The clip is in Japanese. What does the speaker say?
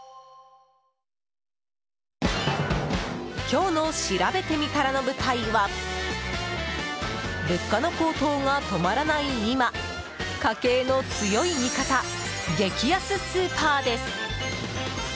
今日のしらべてみたらの舞台は物価の高騰が止まらない今家計の強い味方激安スーパーです。